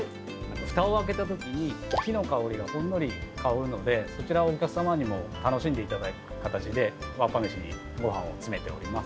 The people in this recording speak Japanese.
ふたを開けたときに木の香りがほんのり香るのでそちらをお客さまにも楽しんでいただく形でわっぱ飯にご飯を詰めております。